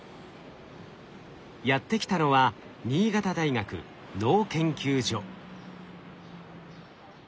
やって来たのは新潟大学脳研究所。